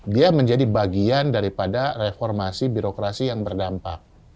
dia menjadi bagian daripada reformasi birokrasi yang berdampak